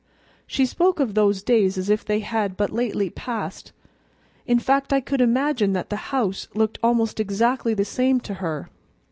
She spoke of those days as if they had but lately passed; in fact, I could imagine that the house looked almost exactly the same to her.